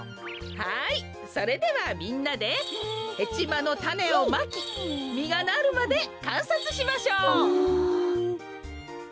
はいそれではみんなでヘチマのたねをまきみがなるまでかんさつしましょう！